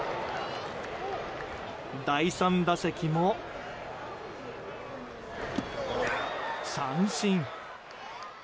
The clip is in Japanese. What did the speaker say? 第３打席も三振。